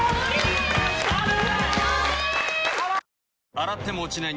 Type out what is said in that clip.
洗っても落ちない